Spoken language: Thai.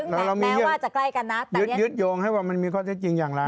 แล้วเรามีแปลว่าจะใกล้กันนะแต่เรียนยึดยึดโยงให้ว่ามันมีความเจ็บจริงอย่างไร